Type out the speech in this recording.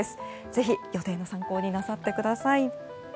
ぜひ予定の参考になさってください。